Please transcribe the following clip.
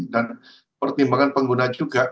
dan pertimbangan pengguna juga